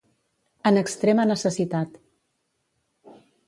En extrema necessitat.